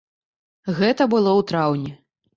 Гэта было ў траўні.